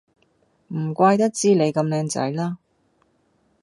唔怪得知你咁靚仔啦